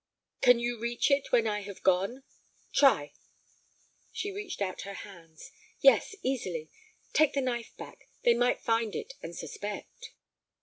"Can you reach it when I have gone? Try." She reached out her hands. "Yes, easily. Take the knife back. They might find it, and suspect."